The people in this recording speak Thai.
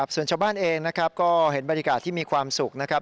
ส่วนชาวบ้านเองนะครับก็เห็นบรรยากาศที่มีความสุขนะครับ